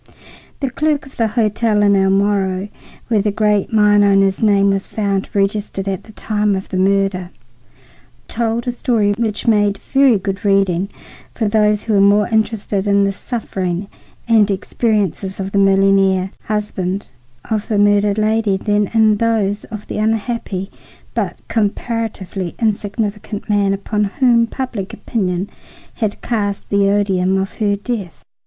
The clerk of the hotel in El Moro, where the great mine owner's name was found registered at the time of the murder, told a story which made very good reading for those who were more interested in the sufferings and experiences of the millionaire husband of the murdered lady than in those of the unhappy but comparatively insignificant man upon whom public opinion had cast the odium of her death.